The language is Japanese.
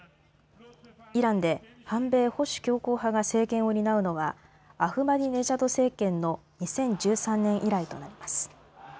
イランで反米・保守強硬派が政権を担うのはアフマディンネジャド政権の２０１３年以来となります。